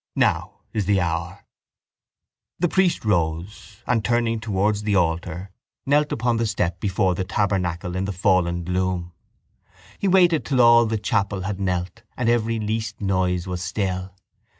Now is the hour. The priest rose and, turning towards the altar, knelt upon the step before the tabernacle in the fallen gloom. He waited till all in the chapel had knelt and every least noise was still.